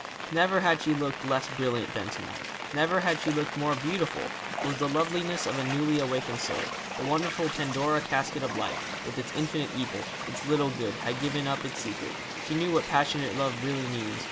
Never had she looked less brilliant than to night; never had she looked more beautiful. It was the loveliness of a newly awakened soul. The wonderful Pandora casket of life, with its infinite evil, its little good, had given up its secret. She knew what passionate love really means.